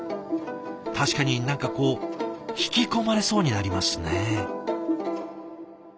確かに何かこう引き込まれそうになりますね。